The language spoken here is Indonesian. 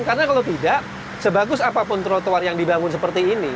karena kalau tidak sebagus apapun trotoar yang dibangun seperti ini